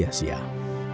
sedih sekali kan keluarga